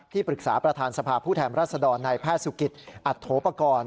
ปรึกษาประธานสภาพผู้แทนรัศดรในแพทย์สุกิตอัตโธปกรณ์